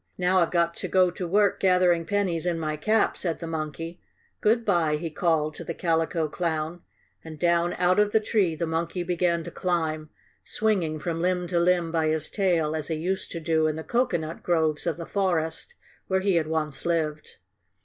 Now I've got to go to work gathering pennies in my cap!" said the monkey. "Good bye!" he called to the Calico Clown, and down out of the tree the monkey began to climb, swinging from limb to limb by his tail, as he used to do in the cocoanut groves of the forest where he had once lived.